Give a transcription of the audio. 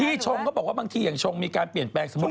ชงเขาบอกว่าบางทีอย่างชงมีการเปลี่ยนแปลงสมมุติ